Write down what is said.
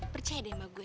percaya deh mbak gue